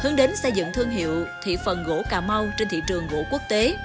hướng đến xây dựng thương hiệu thị phần gỗ cà mau trên thị trường gỗ quốc tế